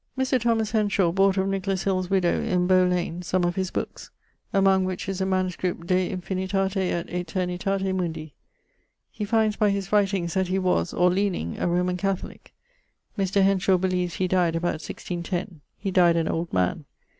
Mr. Thomas Henshaw bought of Nicholas Hill's widow, in Bow lane, some of his bookes; among which is a manuscript de infinitate et aeternitate mundi. He finds by his writings that he was (or leaning) a Roman Catholique. Mr. Henshaw believes he dyed about 1610: he dyed an old man.